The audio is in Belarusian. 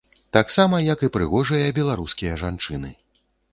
Таксама, як і прыгожыя беларускія жанчыны.